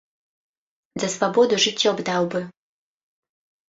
За свабоду жыццё б даў бы!